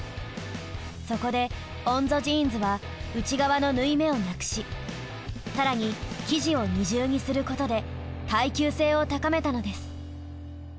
そこでＯＮＺＯジーンズは内側の縫い目をなくし更に生地を二重にすることで耐久性を高めたのです。